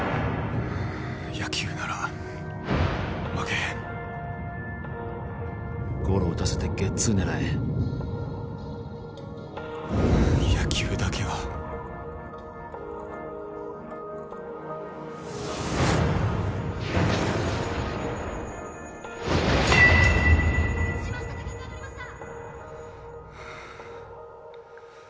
野球なら負けへんゴロを打たせてゲッツー狙え野球だけは打ちました高く上がりました！